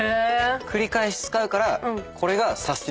繰り返し使うからこれがサスティな！